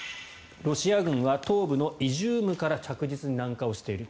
ロシア軍は東部のイジュームから着実に南下している。